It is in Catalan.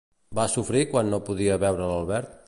Va sofrir quan no podia veure l'Albert?